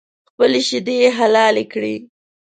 خپلې شیدې یې حلالې کړې.